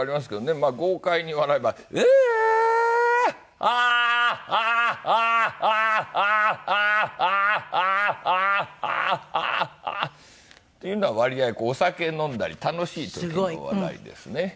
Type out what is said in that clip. まあ豪快に笑えばアーッハッハッハッハッ！っていうのは割合お酒飲んだり楽しい時の笑いですね。